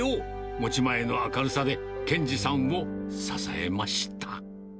持ち前の明るさで、賢治さんを支えました。